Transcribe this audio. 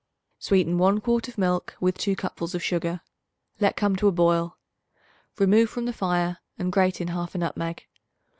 Sweeten 1 quart of milk with 2 cupfuls of sugar; let come to a boil. Remove from the fire and grate in 1/2 nutmeg.